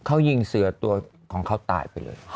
เขายิงเสือตัวของเขาตายไปเลย